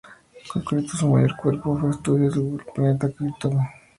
En concreto, su mayor cuerpo de estudio fue el planeta Krypton.